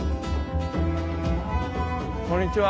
こんにちは。